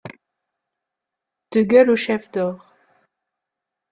De gueules au chef d'or.